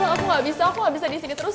aku gak bisa aku gak bisa disini terus